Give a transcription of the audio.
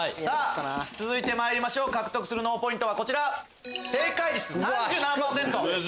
続いてまいりましょう獲得する脳ポイントはこちら。